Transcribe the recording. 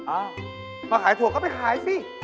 อ้าวพอขายถั่วก็ไปขายสิ